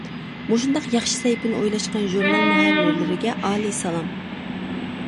مۇشۇنداق ياخشى سەھىپىنى ئويلاشقان ژۇرنال مۇھەررىرلىرىگە ئالىي سالام!